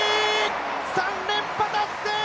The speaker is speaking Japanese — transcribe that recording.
３連覇達成！